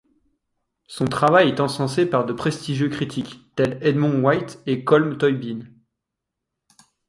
Son travail est encensé par de prestigieux critiques tels Edmund White et Colm Tóibín.